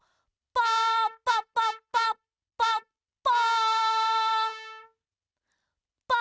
パパパパッパッパ。